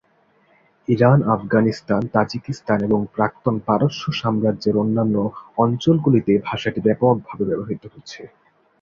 Iran, Afghanistan, Tajikistan এবং প্রাক্তন পারস্য সাম্রাজ্যের অন্যান্য অঞ্চলগুলিতে ভাষাটি ব্যাপকভাবে ব্যবহৃত হচ্ছে।